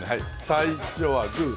最初はグー。